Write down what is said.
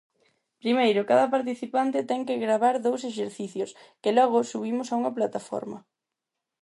Primeiro, cada participante ten que gravar dous exercicios, que logo subimos a unha plataforma.